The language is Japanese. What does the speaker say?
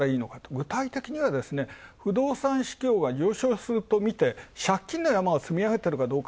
具体的には不動産市況が上昇するとみて、借金の山を積み上げているかどうか。